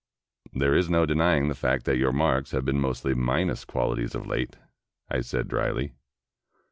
"There is no denying the fact that your marks have been mostly minus qualities of late," I said dryly.